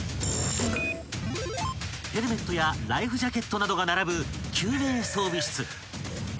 ［ヘルメットやライフジャケットなどが並ぶ］